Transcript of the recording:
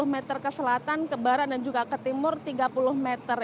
dua puluh meter ke selatan ke barat dan juga ke timur tiga puluh meter